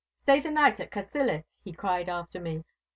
'Stay the night at Cassillis,' he cried after me.